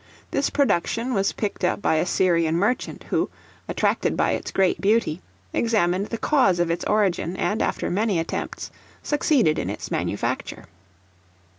This production was picked up by a Syrian merchant, who, attracted by its great beauty, examined the cause of its origin, and, after many attempts, succeeded in its manufacture.